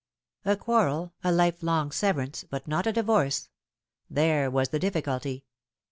A quarrel a life long severance but not a divorce. There was the difficulty.